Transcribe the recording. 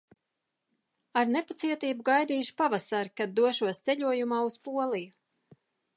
Ar nepacietību gaidīšu pavasari, kad došos ceļojumā uz Poliju!